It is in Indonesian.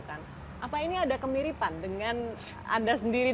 apa ini ada kemiripan dengan anda sendiri